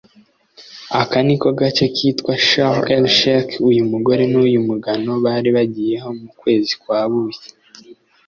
Aka niko gace kitwa Sharm-el-Sheikh uyu mugore n’uyu mugano bari bagiyeho mu kwezi kwa buki